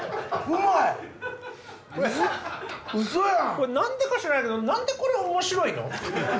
これ何でか知らないけど何でこれ面白いの？